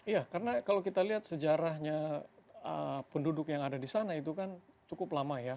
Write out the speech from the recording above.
ya karena kalau kita lihat sejarahnya penduduk yang ada di sana itu kan cukup lama ya